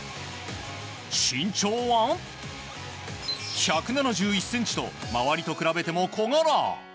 身長は１７１ｃｍと周りと比べても小柄。